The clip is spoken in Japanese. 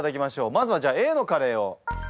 まずはじゃあＡのカレーを。